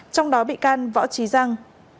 trong đó bị can võ trí giang